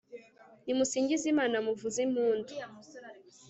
nimusingize imana muvuz'impundu